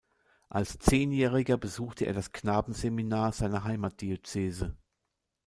Als Zehnjähriger besuchte er das Knabenseminar seiner Heimatdiözese.